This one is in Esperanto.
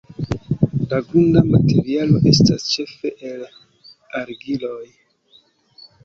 La grunda materialo estas ĉefe el argiloj.